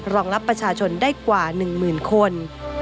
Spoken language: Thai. รองรับประชาชนได้กว่า๑หมื่นคน